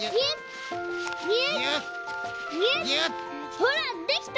ほらできた！